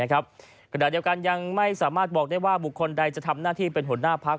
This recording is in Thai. ขณะเดียวกันยังไม่สามารถบอกได้ว่าบุคคลใดจะทำหน้าที่เป็นหัวหน้าพัก